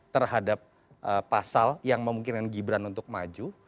terhadap pasal yang memungkinkan gibran untuk maju